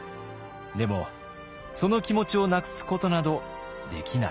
でもその気持ちをなくすことなどできない。